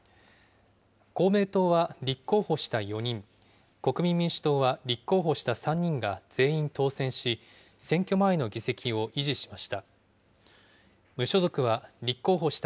公明党は立候補した４人、国民民主党は立候補した３人が全員当選し、選挙前の議席を維持しました。